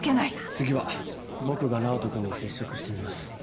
次は僕が直人君に接触してみます。